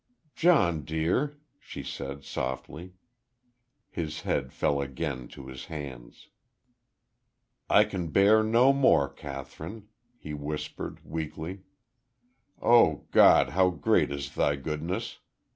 "John, dear," she said, softly. His head fell again to his hands. "I can bear no more, Kathryn," he whispered, weakly. "Oh, God, how great is Thy goodness!